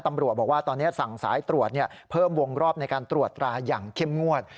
ตำรวจบอกว่าตอนนี้สั่งสายตรวจเพิ่มวงรอบในการตรวจตราอย่างเข้มงวด